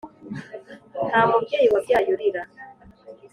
nta mubyeyi wabyaye urira